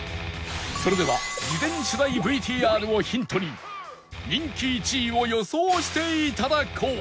それでは事前取材 ＶＴＲ をヒントに人気１位を予想して頂こう